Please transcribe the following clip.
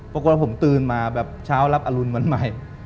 ปรากฏว่าผมตื่นมาแบบเช้ารับอรุณวันใหม่